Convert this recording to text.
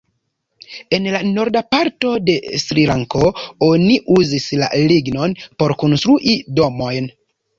En la Norda parto de Srilanko oni uzis la lignon por konstrui domojn.